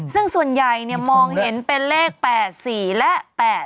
ซึ่งส่วนใหญ่มองเห็นเป็นเลข๘๔และ๘๘